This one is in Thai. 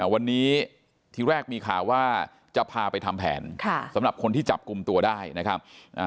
วันนี้ทีแรกมีข่าวว่าจะพาไปทำแผนสำหรับคนที่จับกลุ่มตัวได้นะครับ